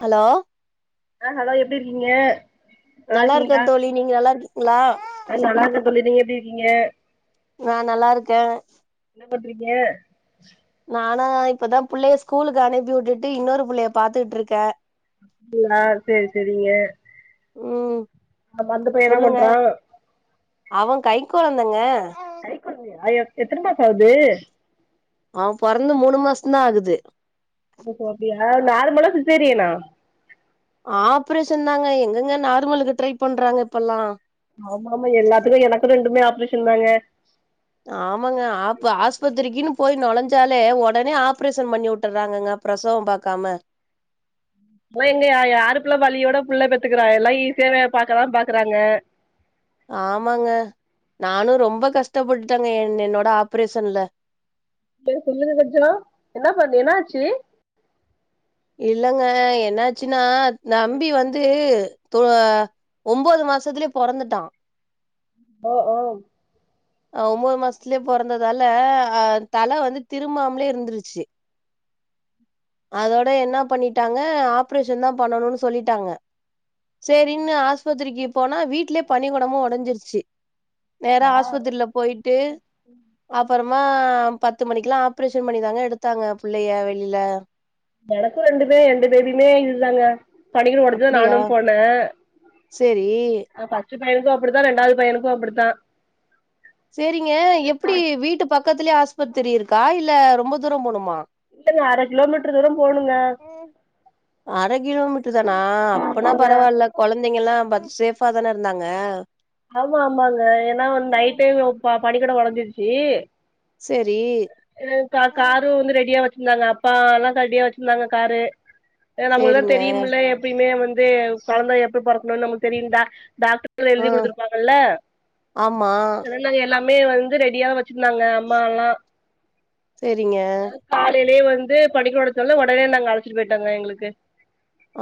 hello ஆ hello எப்டி இருக்கீங்க நல்லா இருக்கேன் தோழி நீங்க நல்லா இருக்கீங்ளா அ நல்லா இருக்க தோழி நீங்க எப்டி இருக்கீங்க நா நல்லாருக்க என்ன பண்றீங்க நானா இப்பதா புள்ளய ஸ்கூலுக்கு அனுப்பி உட்டுட்டு இன்னொரு புள்ளய பாத்துட்ருக்க அப்டிங்ளா செரி செரிங்க ம் அப்ப அந்த பைய என்னா சொல்லுங்க பண்றா அவ கைக்கொழந்தங்க கைக்கொழந்தையா எத் எத்தன மாசோ ஆவுது அவ பொறந்து மூணு மாசந்தா ஆகுது ஒஹோ அப்படியா நார்மலா சிசேரியனா ஆப்ரேஷன்தாங்க எங்கெங்க நார்மலுக்கு ட்ரை பண்றாங்க இப்பல்லா ஆமா ஆமா எல்லாத்துக்கு எனக்கு ரெண்டுமே ஆப்ரேஷன் தாங்க ஆமாங்க ஆப்பு ஆஸ்பத்திரிக்கின்னு போயி நொழைஞ்சாலே ஒடனே ஆப்ரேஷன் பண்ணி வுட்டறாங்கங்க பிரசவம் பாக்காம இப்பல்லா எங்க யா யாரு புள்ள வலியோட புள்ள பெத்துக்கிறா எல்லா ஈசியாவே பாக்கதா பாக்குறாங்க ஆமாங்க நானு ரொம்ப கஷ்டப்பட்டுட்டங்க என் என்னோட ஆப்ரேஷன்ல சேரி சொல்லுங்க கொஞ்சோ என்ன பண்ணு என்னாச்சு இல்லங்க என்னாச்சுனா தம்பி வந்து தோ அ ஒம்போது மாசத்துலே பொறந்துட்டா ஓ ஓ அ ஒம்போது மாசத்துலே பொறந்ததால அ தல வந்து திரும்பாமலே இருந்துருச்சி அதோட என்னா பண்ணிட்டாங்க ஆப்ரேஷன்தா பண்ணணுனு சொல்லிட்டாங்க சேரின்னு ஆஸ்பத்திரிக்கு போனா வீட்லே பனிக்கொடமு ஒடஞ்சிருச்சு நேரா ஆ ஆஸ்பத்திரில போயிட்டு அப்பறமா பத்து மணிக்கெல்லா ஆப்ரேஷன் பண்ணிதாங்க எடுத்தாங்க புள்ளய வெளில எனக்கு ரெண்டுமே ரெண்டு பேபிமே இதுதாங்க பனிகொடோ ஒடஞ்சிதா அப்டியா நானு போன சேரி அ ஃபர்ஸ்ட்டு பையனுக்கு அப்டிதா ரெண்டாவது பையனுக்கு அப்டிதா சேரிங்க எப்டி வீட்டு பக்கத்துலே ஆஸ்பத்திரி இருக்கா இல்ல ரொம்ப தூரோ போணுமா இல்லங்க அர கிலோமீட்டரு தூரோ போணுங்க அர கிலோமீட்டருதானா அப்பனா ஆமாங்க பரவால்ல கொழந்தைங்கல்லா பத் சேஃபாதானே இருந்தாங்க ஆமா ஆமாங்க ஏனா வந்து நைட்டே ப பனிக்கொடோ ஒடஞ்சிருச்சி சேரி ம் கா காரு வந்து ரெடியா வச்சிருந்தாங்க அப்பா எல்லா ரெடியா வச்சிருந்தாங்க காரு அ நம்ளுக்குதா சேரிங்க தெரியுமுல்ல எப்பயுமே வந்து கொழந்த எப்ப பொறக்கணுனு நமக்கு தெரியு டா டாக்டருங்களே ஆ சொல்லுவாங்கள்ல ஆமா நாங்க எல்லாமே வந்து ரெடியா வ ச்சிருந்தாங்க அம்மா எல்லா சேரிங்க காலைலே வந்து பனிகொட ஒடஞ்சதால ஒடனே நாங்க அழைச்சிட்டு போயிட்டாங்க எங்களுக்கு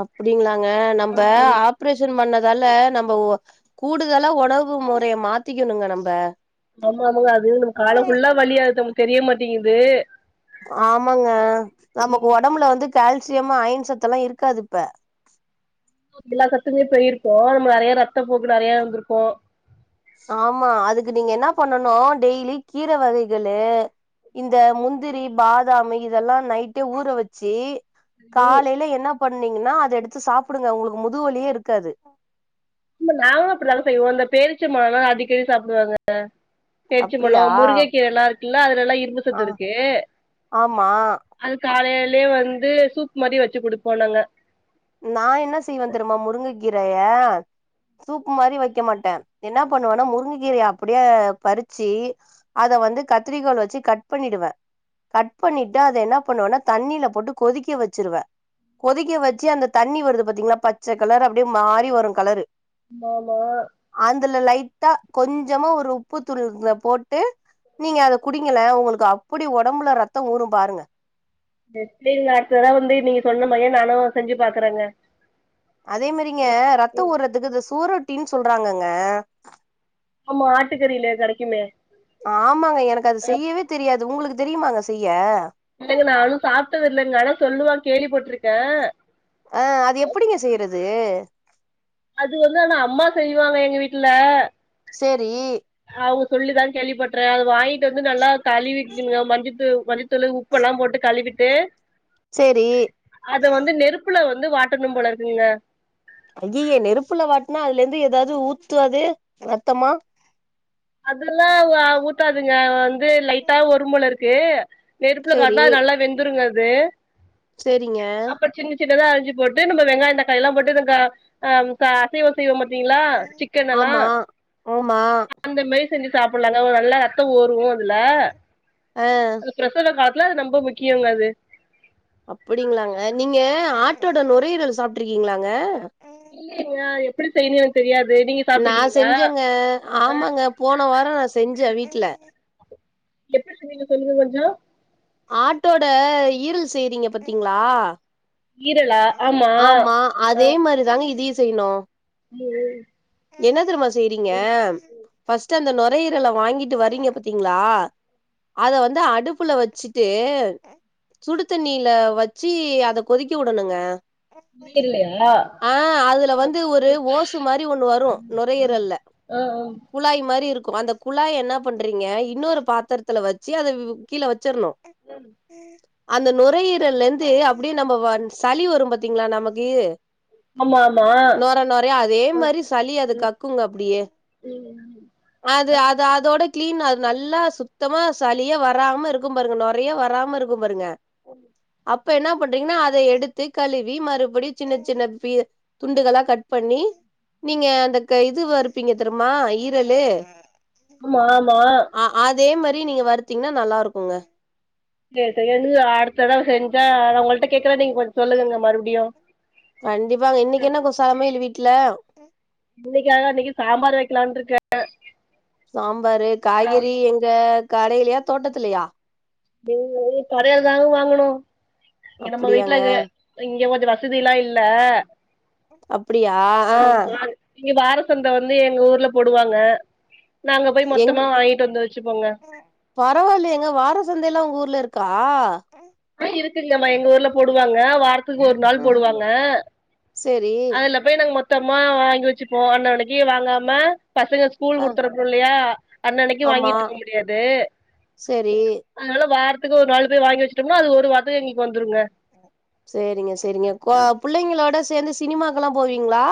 அப்டிங்ளாங்க நம்ப ஆமாங்க ஆப் ரேஷன் பண்ணதால நம்ப கூடுதலா உணவு மொறய மாத்திக்ணுங்க நம்ப ஆமாங்க அது நம்ம காலம் ஃபுல்லா வலி அது நம்மளுக்கு தெரியமாட்டிங்குது ஆமாங்க நமக்கு ஒடம்புல வந்து கால்சியம் அயன் சத்துல்லா இருக்காது இப்ப எல்லா சத்துமே போயிருக்கு நம்ம நெறைய ரத்த போக்கு நெறையா இருந்திருக்கு ஆமா அதுக்கு நீங்க என்ன பண்ணனு டெய்லி கீர வகைகளு இந்த முந்திரி பாதாமு இதெல்லா நைட்டே ஊற வச்சி காலைல என்னா பண்ணீங்கனா அத எடுத்து சாப்டுங்க ஒங்களுக்கு முதுவலியே இருக்காது இல்ல நாங்களு அப்டிதாங்க செய்வோ அந்த பேரிச்சம்பழம்லா அடிக்கடி சாப்டுவங்க த பேரிச்சம்பழோ அப்டியா முருக கீரை எல்லா இருக்குல்ல அதுலல்லா இரும்பு ஆ சத்து இருக்கு ஆமா அது காலைலே வந்து சூப் மாரி வச்சு குடுப்போ நாங்க நா என்ன செய்வேன் தெரியுமா முருங்க கீரைய சூப்பு மாரி வைக்க மாட்டே என்ன பண்ணுவேனா முருங்க கீர அப்டியே பறிச்சி அத வந்து கத்திரிக்கோள் வச்சு கட் பண்ணிடுவே கட் பண்ணிட்டு அத என்ன பண்ணுவேனா தண்ணில போட்டு கொதிக்க வச்சிருவே கொதிக்க வச்சு அந்த தண்ணி வருது பாத்தீங்லா பச்ச கலர் அப்டியே மாறி வரு கலரு ஆமா அதுல லைட்டா கொஞ்சமா ஒரு உப்பு தூள் போட்டு நீங்க அத குடிங்கலே உங்களுக்கு அப்டி உடம்புல ரத்தோ ஊரும் பாருங்க நெக்ஸ்டு [unintelligible] வந்து நீங்க சொன்ன மாரி நானு செஞ்சு பாக்குறேங்க அதே மாரிங்க ரத்தோ ஊர்றதுக்கு இந்த சூரொட்டின்னு சொல்றாங்கங்க ஆமா ஆட்டுக்கறிலே கெடைக்குமே ஆமாங்க எனக்கு அது செய்யவே தெரியாது உங்களுக்கு தெரியுமாங்க செய்ய இல்லங்க நானு சாப்ட்டது இல்லங்க ஆனா சொல்லுவாங் கேள்வி பட்ருக்கே ஆ அது எப்டிங்க செய்றது அது வந்து ஆனா அம்மா செய்வாங்க எங்க வீட்ல செரி அவுங்க சொல்லிதா கேள்விப்பட்றே அது வாங்கிட்டு வந்து நல்லா கழுவிக்குங்க மஞ்ச மஞ்ச தூள் உப்பெல்லா போட்டு கழுவிட்டு செரி அத வந்து நெருப்புல வந்து வாட்டனும் போல இருக்குதுங்க ஐயய நெருப்புல வாட்னா அதுலருந்து ஏதாது ஊத்தாது ரத்தமா அதுலல்லா ஊத்தாதுங்க வந்து லைட்டா வரும் போலருக்கு நெருப்புல சேரி காட்டுனா நல்லா வெந்துருங்க அது செரிங்க அப்றோ சின்ன சின்னதா அரிஞ்சி போட்டு நம்ம வெங்காயொ தக்காளில்லா போட்டு நம் அ அசைவம் செய்வோ பாத்திங்களா சிக்கன் எல்லா ஆமா ஆமா அந்தமேரி செஞ்சி சாப்டலாங்க நல்லா ரத்தோ ஊரு அதுல அ அது பிரசவ காலத்துல அது ரொம்ப முக்கியோங்க அது அப்டிங்ளாங்க நீங்க ஆட்டோட நுரையீரல் சாப்ட்ருக்கீங்களாங்க இல்லயேங்க எப்டி செய்யனு எனக்கு தெரியாது நீங்க நா சாப்ட்ருக்கீங்களா செஞ்சேங்க ஆமாங்க போன வாரோ நா செஞ்சே வீட்ல எப்டி செஞ்சீங்க சொல்லுங்க கொஞ்சோ ஆட்டோட ஈரல் செய்றீங்க பாத்தீங்ளா ஆமா ஆ அதே மாரிதாங்க இதயு செய்யணு ம் என்ன தெருமா செய்றீங்க ஃபஸ் ட்டு அந்த நுரையீரல வாங்கிட்டு வரீங்க பாத்தீங்ளா அத வந்து அடுப்புல வச்சு ட்டு சுடு தண்ணீல வச்சு அத கொதிக்க வுடணுங்க இல்ல இல்லலா ஆ அதுல வந்து ஒரு ஓசு மாரி ஒண்ணு வரு நொரையீரல்ல ம் ம் குழாயி மாரி இருக்கு அந்த குழாய என்ன பண்றீங்க இன்னொரு பாத்திரத்துல வெச்சு அத கீழ வெச்சிரணு ம் அந்த நுரையீரலிந்து அப்டியே நம்ம வந் சளி வரும் பாத்தீங்ளா நமக்கு ஆமா ஆமா ஆ நொர நொரயா அதே மாரி சளி அது கக்குங்க அப்டியே ம் ம் அது அது அதோட கிளீன் அது நல்லா சுத்தமா சளியே வராம இருக்கும் பாருங்க நொ ரையே வராம இருக்கும் பாருங்க உ அப்ப என்னா பண்றீங்கன்னா அத எடுத்து கழுவி மறுபடியு சின்ன சின்ன பீ துண்டுகளா கட் பண்ணி நீங்க அந்த க இது வருப்பீங்க தெர்மா ஈரலு ஆமா ஆமா ஆ அதே மாரி நீங்க வருத்தீங்கன்னா நல்லா இருக்குங்க செரி செரி என்க்கு அடுத்த தடவ செஞ்சா அத உங்கள்கிட்ட கேக்கற நீங்க கொஞ்சோ சொல்லுங்க மறுபடியு கண்டிப்பாங்க இன்னைக்கு என்ன கொ சமையலு வீட்ல இன்னைக்கா இன்னைக்கு சாம்பார் வெக்கலான்ட்டு இருக்க சாம்பாரு காய்கறி எங்க கடைலயா தோட்டத்துலயா டெய்லியு கடைலதாங்க வாங்கனு இங்க நம்ம வீட்ல அப்டியாங்க இங்க கொஞ்சோ வசதி எல்லா இல்ல அப்டியா ஆ ஆமா நிங்க வாரசந்தை வந்து எங்க ஊர்ல போடுவாங்க நாங்க போய் மொத்தமா வாங்கிட்டு வந்து வெச்சுப்போங்க பரவாயில்லயேங்க வாரசந்தையெல்லா உங்க ஊர்ல இருக்கா ம் இருக்குங்கம்மா எங்க ஊர்ல போடுவாங்க வாரத்துக்கு ஒரு நாள் ம் போடுவாங்க சேரி அதுல போய் நாங்க மொத்தமா வாங்கி வெச்சுப்போ அண்ணனைக்கு வாங்காம பசங்க ஸ்கூல் ஆ குடுத்தறப்பனுல்லயா அண்ணனைக்கு ஆமா வாங்கிட்டு இருக்க முடியாது சேரி அதனால வாரத்துக்கு ஒரு நாள் போய் வாங்கி வெச்சிட்டோம்னா அது ஒரு வாரத்துக்கு எங்களுக்கு வந்துருங்க சேரிங்க சேரிங்க கோ புள்ளைங்களோட சேந்து சினிமாக்கல்லா போவீங்ளா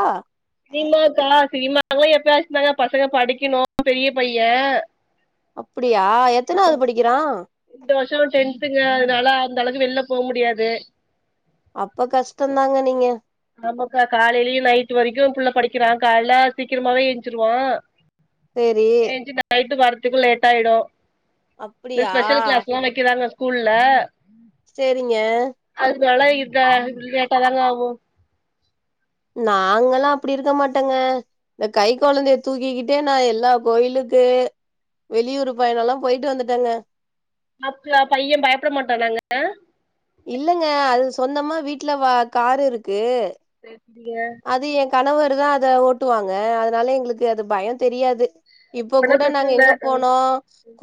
சினிமாக்கல்லா சினிமாங்ளா எப்பயாச்சுந்தாங்க பசங்க படிக்கணு பெரிய பையன் அப்டியா எத்தனாவது படிக்கிறான் இந்த வருஷோ டென்த்துங்க அதனால அந்த அளவுக்கு வெளில போ முடியாது அப்ப கஷ்டந்தாங்க நீங்க நமக்கு காலைலயு நைட் வரைக்கு புள்ள படிக்கிறான் காலைல சீக்கிரமாவே எஞ்சிருவான் சேரி ஏஞ்சு நைட்டு வர்றத்துக்கு லேட் ஆயிடு இந்த அப்டியா ஸ்பெஷல் கிளாஸ்ஸெல்லா வெக்கிறாங்க ஸ்கூல்ல சேரிங்க அதுனால இந்த லேட்டாதாங்க ஆகு நாங்கல்லா அப்டி இருக்க மாட்டங்க இந்த கை கொழந்தைய தூக்கிக்கிட்டே நா எல்லா கோயிலுக்கு வெளியூர் பயணோல்லா போயிட்டு வந்துட்டங்க அப்பா பையன் பயப்பட மாட்டானாங்க இல்லங்க அது சொந்தமா வீட்ல வா காரு இருக்கு சேரி சிரிங்க அது என் கணவர்தா அத ஓட்டு வாங்க அதனால எங்களுக்கு அது பயோந் தெரியாது இப்ப அப்பனா கூட பிரச்சன நாங்க இல்ல எங்க போனோம்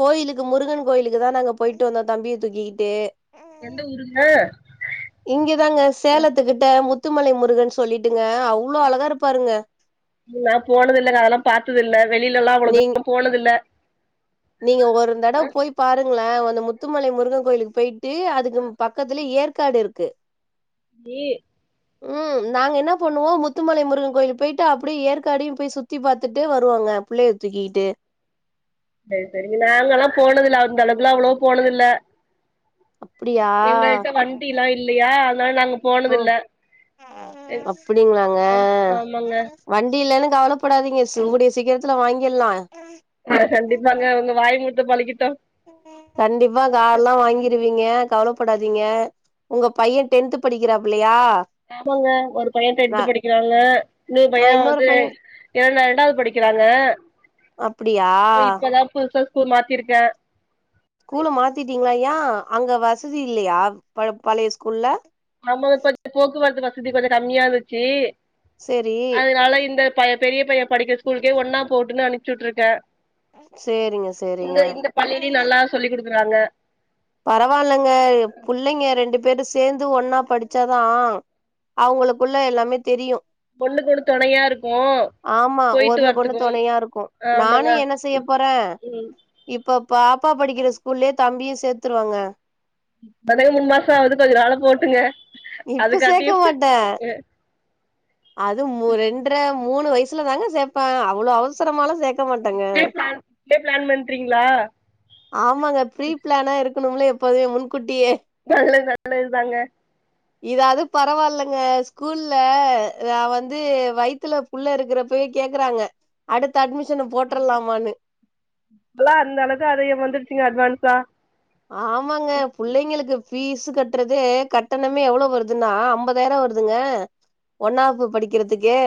கோயிலுக்கு முருகன் கோயிலுக்கு தான் நாங்க போயிட்டு வந்தோம் தம்பிய தூக்கிக்கிட்டு எந்த ஊருங்க இங்கதாங்க சேலத்துக்கிட்ட முத்துமலை முருகன் சொல்லிட்டு இங்க அவ்வளோ அழகா இருப்பாருங்க நான் போனது இல்ல அதெல்லாம் பார்த்தது இல்ல வெளில எல்லாம் நீங் அவ்வளோதா போனதில்ல நீங்க ஒரு தடவை போய் பாருங்களேன் அந்த முத்துமலை முருகன் கோயிலுக்கு போயிட்டு விட்டு அதுக்கு பக்கத்துல ஏற்காடு இருக்கு தீ ம் நாங்க என்ன பண்ணுவோம் முத்துமலைமுருகன் கோயில் போய்ட்டு அப்படியே ஏற்காடயும் போய் சுத்தி பார்த்துட்டு வருவோங்க புள்ளைய தூக்கி கிட்டு செரி செரிங்க நாங்கலாம் போனது இல்ல அந்த அளவுக்கு எல்லாம் போனதில்ல அப்படியா எங்ககிட்ட வண்டி எல்லாம் இல்லையா அதனால நாங்க போனது இல்ல அப்படிங்களாங்க ஆம் ஆமாங்க வண்டி இல்லலைன்னு கவலைப்படாதீங்க கூடிய சீக்கிரத்துல வாங்கிறலாம் கண்டிப்பாங்க உங்க வாய் முகூர்த்தம் பலிக்கட்டும் கண்டிப்பா கார் எல்லாம் வாங்கிருவீங்க கவலைப்படாதீங்க உங்க பையன் டென்த் படிக்கிறாப்பில்லையா ஆமாங்க ஒரு பையன் டென்த்து படிக்கிறாங்க இன்னொரு நா பையன் இன்னொரு வந்து பைய இரண்டாவது படிக்கிறாங்க அப்டியா இப்பதான் புதுசா ஸ்கூல் மாத்திருக்கேன் ஸ்கூல மாத்திட்டீங்களா யான் அங்க வசதி இல்லையா பழைய ஸ்கூல்ல நம்ம கொஞ்சம் போக்குவரத்து வசதி கொஞ்சம் கம்மியா இருந்துச்சு சேரி அதனால இந்த பையன் பெரிய பையன் படிக்க ஸ்கூலுக்கே ஒன்னா போட்டுன்னனு அனுப்சுட்டு இருக்கேன் சேரிங்க சேரிங்க பள்ளிலயும் நல்லா சொல்லி் கொடுக்குறாங்க பரவாயில்லைங்க புள்ளைங்க ரெண்டு பேரும் சேர்ந்து ஒன்னா படிச்சாதான் அவங்களுக்குள்ள எல்லாமே தெரியும் ஒண்ணுக்கு ஒண்ணு துணையா இருக்கும் ஆமா ஒண்ணுக்கு ஒண்ணு துணையா இருக்கும் ஆமாங்க நானும் என்ன செய்ய போறேன் ம் இப்போ பாப்பா படிக்கிற ஸ்கூல்லயே தம்பியும் சேர்த்துருவாங்க இப்பதானே மூனு மாசம் ஆகுது கொஞ்சம் நாளும் போட்டுங்க அது இப்ப சேக்க காட்டியும் மாட்டே அது ரெண்டரை மூணு வயசுல தாங்க சேர்ப்பாங்க அவ்வளவு அவசரமா இப்பயே பிளான் இப்படி பிளான் பண்றீங்களா ஆமாங்க ப்ரீ பிளானா இருக்கணும்ல எப்போதுமே முன்கூட்டியே நல்லது நல்லதுதாங்க இதாவது பரவால்லங்க ஸ்கூல்ல நான் வந்து வயத்துல புள்ள இருக்கிறப்பவே கேக்குறாங்க அடுத்த அட்மிஷன் போட்டுரலாமான்னு இப்பலாம் அந்த அளவுக்கு அதையும் வந்துருச்சுங்க அட்வான்ஸா ஆமாங்க பிள்ளைங்களுக்கு பீஸ் கட்டுறது கட்டணமே எவ்வளவு வருதுன்னா ஐம்பதாயிரம் வருது ங்க ஒன்னாப்பு படிக்கிறதுக்கே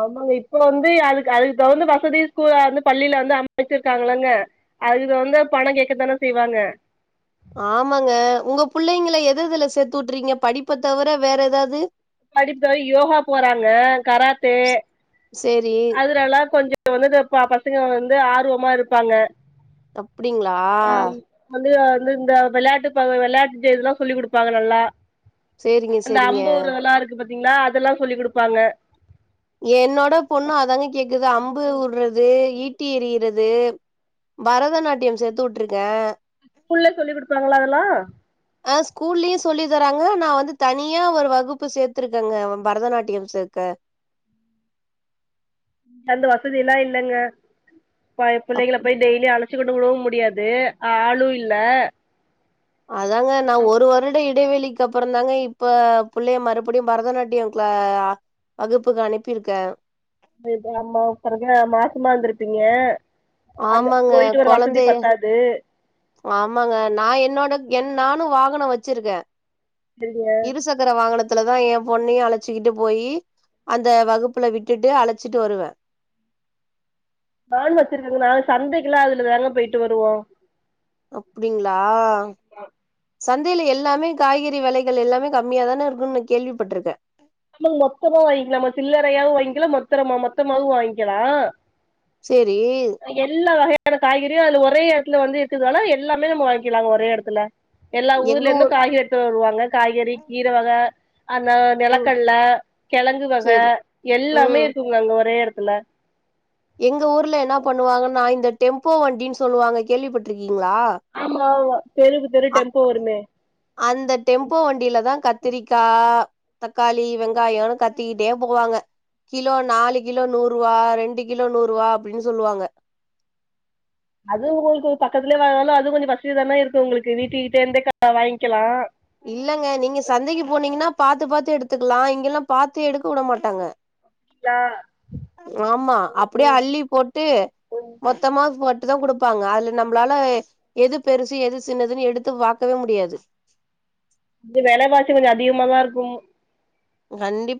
ஆமாங்க இப்போ வந்து அதுக்கு அதுக்கு தகுந்த வசதி வந்து பள்ளியில வந்து அமைச்சிருக்காங்களங்க அதுக்கு வந்து பணம் கேக்கதானே செய்வாங்க ஆமாங்க உங்க புள்ளைங்களை எது எதுல சேர்த்து விட்டுறீங்க படிப்ப தவிர வேற எதாவது படிப்புவ யோகா போறாங்க கராத்தே சேரி அதுரலா கொஞ்ச வந்துது ப பசங்க வந்து ஆருவமா இருப்பாங்க அப்டிங்ளா ஆம் வந்து வந்து இந்த வெள்யாட்டு ப வெள்யாட்டு ஜெ இதுல்லா சொல்லி் இதுடுப்பாங்க நல்லா சேரிங்க அந்த சேரிங்க அம்பு உற்றதல்லா இருக்கு பத்தீங்ளா அதல்லா சொல்லி் குடுப்பாங்க என்னோட பொண்ணு அதாங்க கேக்குது அம்பு உட்றது ஈட்டி எரிய்யிறது பரதநாட்டியம் சேத்து உட்ருக்க கூல்லே சொல்லி் குடுப்பாங்ளா அதல்லா அ ஸ்கூல்லியு சொல்லி தராங்க நா வந்து தனியா ஒரு வகுப்பு சேத்துருக்கங்க வ பரதநாட்டியம் சேக்க அந்த வசதி எல்லா இல்லங்க பய புள்ளங்கள அப்டி போய் டெய் லி அழச்சு கொண்டு உடவு முடியாது ஆளு இல்ல அதாங்க நா ஒரு வருட இழ் டேவேளிக்கு அப்பறந்தாங்க இப்ப புள்ளய மறுபடியு பரதநாட்டியம் க்ளே அ வகுப்புக்கு அனிப்பிருக்க தே இத அம்மாவு பாருங்க மாசமா இந்துருப்பீங்க அந்த ஆமாங்க போயிட்டு வர வசதி கொழந்தை பத்தாத் து ஆமாங்க நா என்னோடக் என் நானு வாகன வச்சிருக்க சரிங்க இருசக் க்குர வாகனத்துலதா ஏ பொண்ணயு அழச்சுக்கிட்டு போயி அந்த வகுப்புல விட்டுட்டு அழச்சிட்டு வருவ நானு வச்சிருக்கங்க நா சந்தைக்குலா அதுல தாங்க பெய்ட்டு வருவோ அப்டிங்ளா சந்தைல எல்லாமே காய்கறி வெலைகள் எல்லாமே கம்மியா தான இருக்குன் ந கேள்விப்பட்ருக்க ஆமா மொத்தமா வாங்க்கிலாமா சில்லறயாவு வாங்க்கிலா மொத்தரமா மொத்தமாவு வாங்கெலா சேரி எல்லா வகையான காய்கறியு அதுல ஒரே எடத்துல வந்து இருக்கதுனால எல்லாமே நம்ம வாங்க்கிலாங்க ஒரே எடத்துல எல்லா எங்க ஊர்லேந்து ஊர் காய்கறி எட்த்துரு வருவாங்க காய்கறி கீர வக அந்த ம் கட்ல கெழங்கு வக சேரி எல்லாமே ம் இருக்குங்க அங்க ஒரே எடத்துல எங்க ஊர்ல என்னா பண்ணுவாங்கன்னா இந்த டெம்போ வண்டின் சொல்லுவாங்க கேள்விப்பட்ருக்கீங்ளா ஆம்மாவுவா தெருவ்க்கு தெரு டெம்போ வருமே அந்த டெம்போ வண்டிலதா கத்துரிக்கா தக்காளி வெங்காயோன்னு கத்திக்கிட்டே போவாங்க கிலோ நாலு கிலோ நூறுவா ரெண்டு கிலோ நூறுவா அப்புடின் சொல்லுவாங்க அது உங்ளுக்கு பக்கத்துலே வாங்கதால அது கொஞ்சோ வஸ்திதான இருக்கு உங்ளுக்கு வீட்டு கிட்டேந்தே கா வாங்கெலா இல்லங்க நீங்க சந்தைக்கி போனீங்கினா பாத்து பாத்து எடுத்துக்குலா இங்கெல்லா பாத்தே எடுக்க உட மாட்டாங்க நா ஆம்மா அப்புடே அள்ளி போட்டு மொத் த்தமாத் போட்டுதா குடுப்பாங்க அதுல நம்ப்ளால எது பெருசு எது சின்னதுன் எடுத்து பாக்கவே முடியாது இது வெலவாசி கொஞ்ச அதிகமாதா இருக்கு கண்டிப்பா